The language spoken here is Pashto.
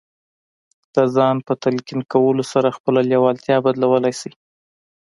د ځان په تلقين کولو سره خپله لېوالتیا بدلولای شئ.